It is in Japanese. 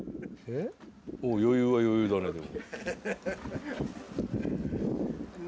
余裕は余裕だねでも。